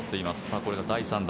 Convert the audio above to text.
これが第３打。